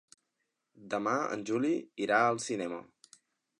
Demà en Juli irà al cinema.